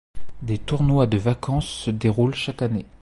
Des tournois de vacances se déroulent chaque année.